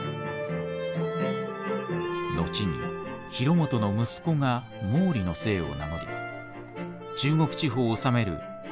後に広元の息子が毛利の姓を名乗り中国地方を治める安芸毛